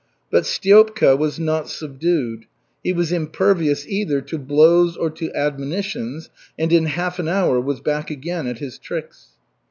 But Stiopka was not subdued. He was impervious either to blows or to admonitions, and in half an hour was back again at his tricks.